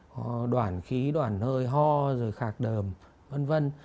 có đoạn khí đoạn hơi ho rồi khạc đờm vân vân